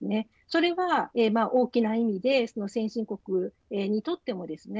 それは、大きな意味で先進国にとってもですね